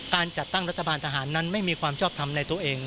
การจัดตั้งรัฐบาลทหารนั้นไม่มีความชอบทำในตัวเอง